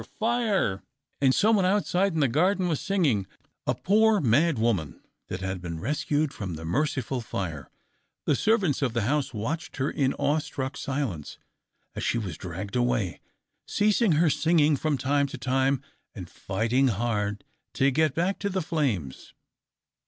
fire!" And some one outside in the garden was singing — a poor mad woman that had been rescued from the merciful fire. The servants of the house watched her in awe struck silence as she was dragged away, ceasing her singing from time to time and fighting hard to get back to the flames.